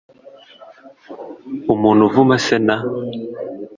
umuntu uvuma se na